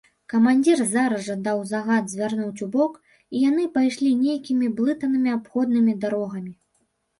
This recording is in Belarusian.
Камандзір зараз жа даў загад звярнуць убок, і яны пайшлі нейкімі блытанымі абходнымі дарогамі.